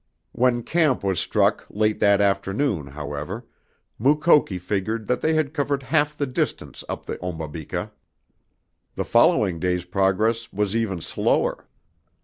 When camp was struck late that afternoon, however, Mukoki figured that they had covered half the distance up the Ombabika. The following day's progress was even slower.